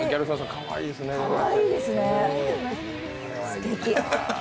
かわいいですね、すてき。